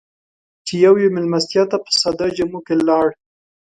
چې يوې مېلمستیا ته په ساده جامو کې لاړ.